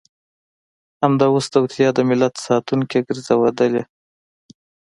اوس همدا توطیه د ملت ساتونکې ګرځېدلې.